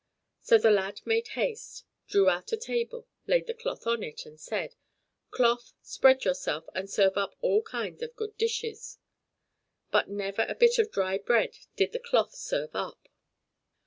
So the lad made haste, drew out a table, laid the cloth on it, and said: "Cloth, spread yourself, and serve all up kinds of good dishes." But never a bit of dry bread did the cloth serve up.